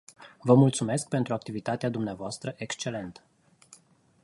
Vă mulțumesc pentru activitatea dvs.. excelentă.